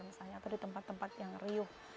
misalnya atau di tempat tempat yang riuh